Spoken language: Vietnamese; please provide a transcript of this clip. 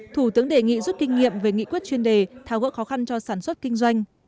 thủ tướng đề nghị rút kinh nghiệm về nghị quyết chuyên đề tháo gỡ khó khăn cho sản xuất kinh doanh